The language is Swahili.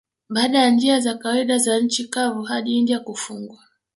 Baada ya njia za kawaida za nchi kavu hadi India kufungwa